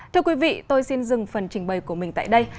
thưa quý vị tôi xin dừng phần trình bày của mình tại đây